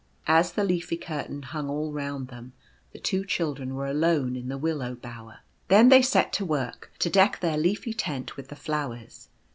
As the leafy curtain hung all round them, the two children were alone in the Willow Bower. Then they set to work to deck their leafy tent with the flowers.